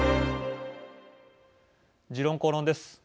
「時論公論」です。